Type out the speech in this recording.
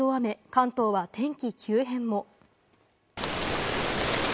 関東は天気急変も。